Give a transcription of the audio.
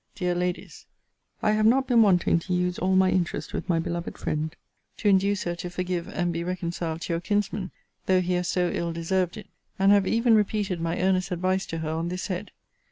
DEAR LADIES, I have not been wanting to use all my interest with my beloved friend, to induce her to forgive and be reconciled to your kinsman, (though he has so ill deserved it;) and have even repeated my earnest advice to her on this head.